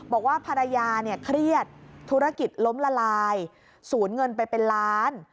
บอกว่าภรรยาเนี่ยเครียดธุรกิจล้มละลายสูญเงินไปเป็นล้าน